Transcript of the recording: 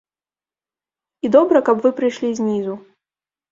І добра, каб вы прыйшлі знізу.